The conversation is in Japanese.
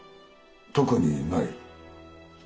特にない。